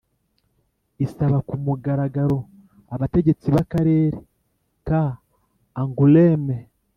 isaba ku mugaragaro abategetsi b’akarere ka angoulême